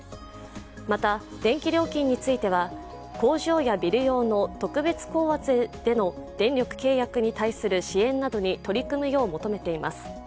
また、電気料金については、工場やビル用の特別高圧での電力契約に対する支援などに取り組むよう求めています。